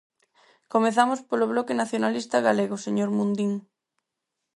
Comezamos polo Bloque Nacionalista Galego, señor Mundín.